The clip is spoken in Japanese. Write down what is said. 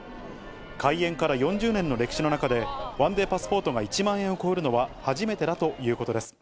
開園から４０年の歴史の中で、１デーパスポートが１万円を超えるのは初めてだということです。